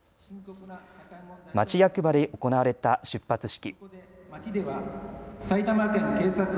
町役場で行われた出発式。